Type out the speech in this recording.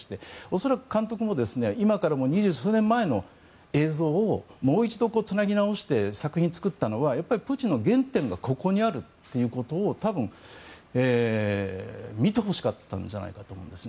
恐らく監督も今から二十数年前の映像をもう一度つなぎ直して作品を作ったのはやっぱり、プーチンの原点がここにあるということを多分、見てほしかったんじゃないかと思うんです。